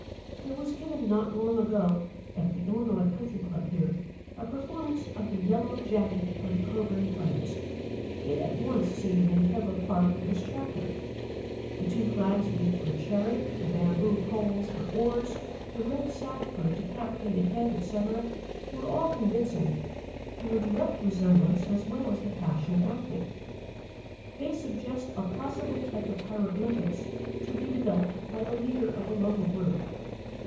There was given not long ago, at the Illinois Country Club here, a performance of The Yellow Jacket by the Coburn Players. It at once seemed an integral part of this chapter. The two flags used for a chariot, the bamboo poles for oars, the red sack for a decapitated head, etc., were all convincing, through a direct resemblance as well as the passionate acting. They suggest a possible type of hieroglyphics to be developed by the leader of the local group.